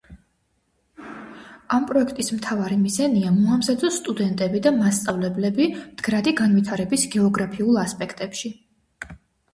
ამ პროექტის მთავარი მიზანია მოამზადოს სტუდენტები და მასწავლებლები მდგრადი განვითარების გეოგრაფიულ ასპექტებში.